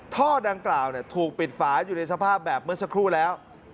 ท่อดังกล่าวถูกปิดฝาอยู่ในสภาพแบบเมื่อสักครู่แล้ว